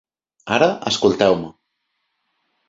Ara escolteu-me.